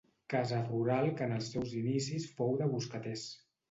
Casa rural que en els seus inicis fou de boscaters.